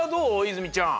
泉ちゃん。